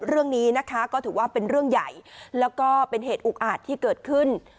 เรื่องนี้นะคะก็ถือว่าเป็นเรื่องใหญ่แล้วก็เป็นเหตุอุกอาจที่เกิดขึ้น